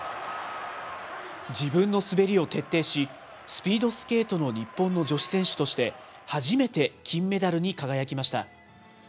自分の滑りを徹底し、スピードスケートの日本の女子選手として、初めて金メダルに輝きました。